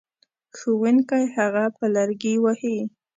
ښوونکی هغه په لرګي وهي.